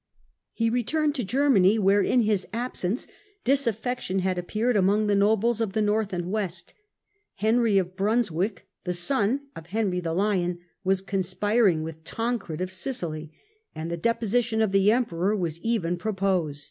He returned to Germany, where, in his absence, disaffection had appeared among the nobles of the north and west. Henry of Brunswick, the son of Henry the Lion, was conspiring with Tancred of Sicily, and the deposition of the Emperor was even proposed.